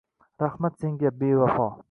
Rahmat senga, bevafo.